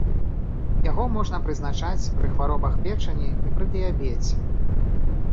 Яго можна прызначаць пры хваробах печані і пры дыябеце.